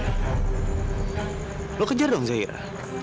kamu mengejar zahira